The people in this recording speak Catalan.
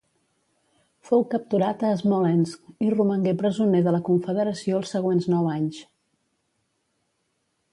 Fou capturat a Smolensk i romangué presoner de la Confederació els següents nou anys.